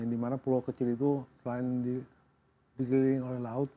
di mana pulau kecil itu selain dikelilingi oleh laut